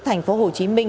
thành phố hồ chí minh